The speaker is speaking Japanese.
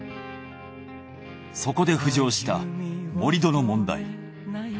そこで浮上した盛り土の問題。